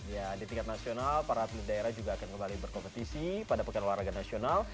ya di tingkat nasional para atlet daerah juga akan kembali berkompetisi pada pekan olahraga nasional